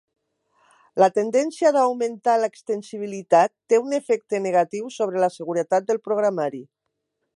La tendència d'augmentar l'extensibilitat té un efecte negatiu sobre la seguretat del programari.